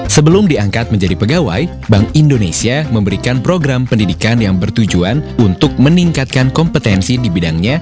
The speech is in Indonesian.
sebelum diangkat menjadi pegawai bank indonesia memberikan program pendidikan yang bertujuan untuk meningkatkan kompetensi di bidangnya